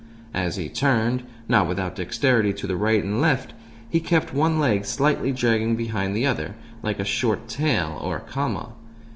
As he turned, not without dexterity, to right and left, he kept one leg slightly dragging behind the other, like a short tail or comma.